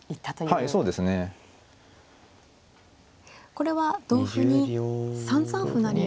これは同歩に３三歩成を。